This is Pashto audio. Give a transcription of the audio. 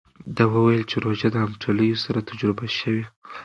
ده وویل چې روژه د همټولیو سره تجربه شوې.